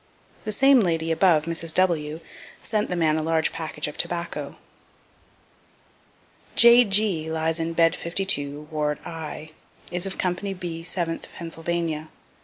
(The same lady above, Mrs. W., sent the men a large package of tobacco.) J. G. lies in bed 52, ward I; is of company B, 7th Pennsylvania.